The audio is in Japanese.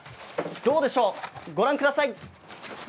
どうでしょう、ご覧ください。